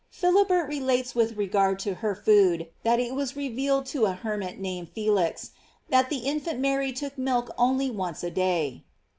Philibert relates with regard to her food, that it was revealed to a hermit named Felix, that the infant Mary took milk only once a day.